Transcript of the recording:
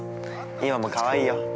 今もかわいいよ。